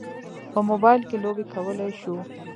په موبایل کې لوبې کولی شو.